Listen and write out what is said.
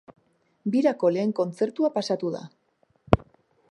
Birako lehen kontzertua pasatu da!